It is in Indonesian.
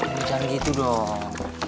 biar jangan gitu dong